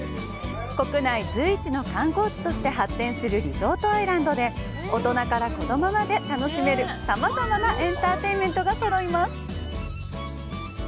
国内随一の観光地として発展するリゾートアイランドで、大人から子供まで楽しめる、さまざまなエンターテインメントがそろいます！